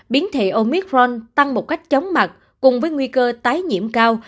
biến thể omicron tăng một cách chống mặt cùng với nguy cơ tái nhiễm cao